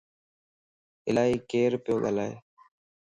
الائي ڪير پيو ڳالائي